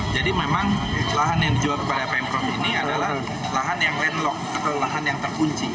jadi memang lahan yang dijual kepada penpro ini adalah lahan yang landlock atau lahan yang terkunci